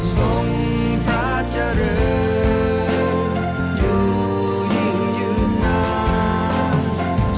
ทรงพระเจริญอยู่ยิ่งยืนนาน